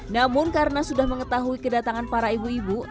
namun karena sudah mengetahui kedatangan para ibu ibu